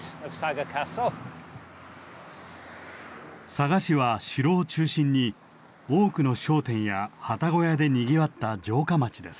佐賀市は城を中心に多くの商店やはたご屋でにぎわった城下町です。